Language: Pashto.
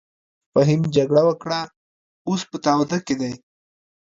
فهيم جګړه وکړه اوس په تاوده کښی دې.